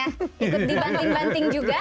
ikut dibanting banting juga